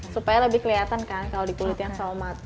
supaya lebih kelihatan kan kalau di kulit yang selamat